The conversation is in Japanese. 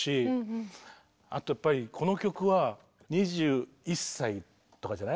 やっぱりこの曲は２１歳とかじゃない？